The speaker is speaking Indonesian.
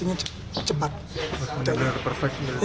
benar benar perfect ya